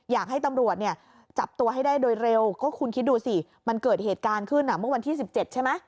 อยากให้ตำรวจเนี่ยจับตัวให้ได้โดยเร็วก็คุณคิดดูสิมันเกิดเหตุการณ์ขึ้นเมื่อวันที่๑๗ใช่ไหม